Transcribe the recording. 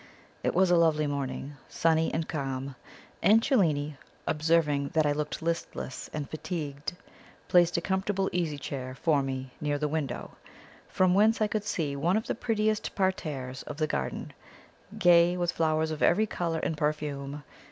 It was a lovely morning, sunny and calm; and Cellini, observing that I looked listless and fatigued, placed a comfortable easy chair for me near the window, from whence I could see one of the prettiest parterres of the garden, gay with flowers of every colour and perfume.